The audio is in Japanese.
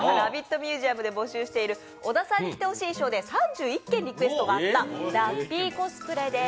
ミュージアムで募集している小田さんに着てほしい衣装で３１件リクエストがあったラッピーコスプレです。